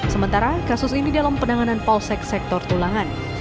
sementara kasus ini dalam penanganan polsek sektor tulangan